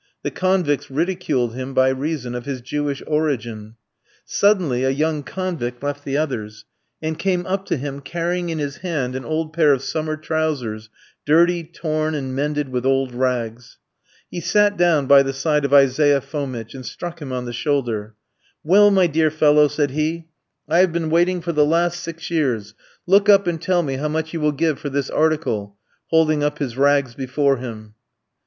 The convicts ridiculed him by reason of his Jewish origin. Suddenly a young convict left the others, and came up to him, carrying in his hand an old pair of summer trousers, dirty, torn, and mended with old rags. He sat down by the side of Isaiah Fomitch, and struck him on the shoulder. "Well, my dear fellow," said he, "I have been waiting for the last six years; look up and tell me how much you will give for this article," holding up his rags before him.